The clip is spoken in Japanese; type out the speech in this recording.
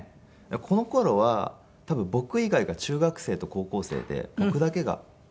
この頃は多分僕以外が中学生と高校生で僕だけが小学４年生。